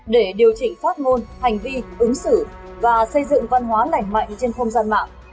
để điều chỉnh phát ngôn hành vi ứng xử và xây dựng văn hóa lành mạnh trên không gian mạng